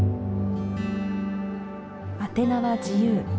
宛て名は自由。